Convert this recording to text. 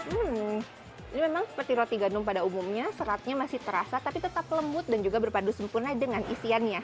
hmm ini memang seperti roti gandum pada umumnya seratnya masih terasa tapi tetap lembut dan juga berpadu sempurna dengan isiannya